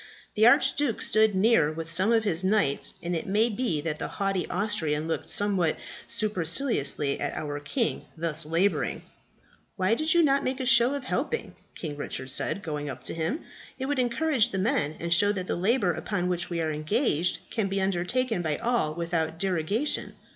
The Archduke stood near with some of his knights: and it may be that the haughty Austrian looked somewhat superciliously at our king, thus labouring. "'Why do you not make a show of helping?' King Richard said, going up to him. 'It would encourage the men, and show that the labour upon which we are engaged can be undertaken by all without derogation.'